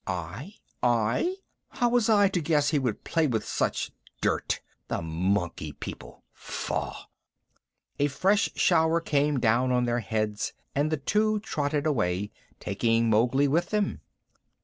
"I I? How was I to guess he would play with such dirt. The Monkey People! Faugh!" A fresh shower came down on their heads and the two trotted away, taking Mowgli with them.